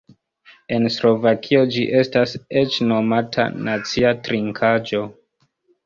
En Slovakio ĝi estas eĉ nomata "nacia trinkaĵo".